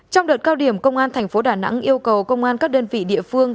trong đợt cao điểm công an tp hcm yêu cầu công an các đơn vị địa phương